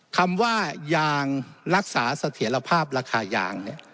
คำว่ายางรักษาเสถียรภาพราคายาง